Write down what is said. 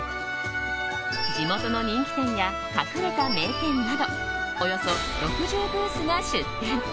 地元の人気店や隠れた名店などおよそ６０ブースが出店。